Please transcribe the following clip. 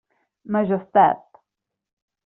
Majestat.